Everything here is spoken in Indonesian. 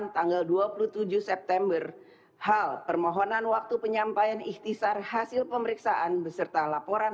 satu satu ratus dua puluh delapan tanggal dua puluh tujuh september hal permohonan waktu penyampaian ikhtisar hasil pemeriksaan beserta laporan